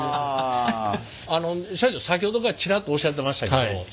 あの社長先ほどからチラッとおっしゃってましたけどえ！？